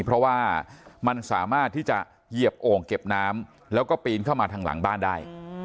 เพราะว่ามันสามารถที่จะเหยียบโอ่งเก็บน้ำแล้วก็ปีนเข้ามาทางหลังบ้านได้